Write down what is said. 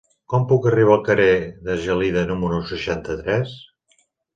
Com puc arribar al carrer de Gelida número seixanta-tres?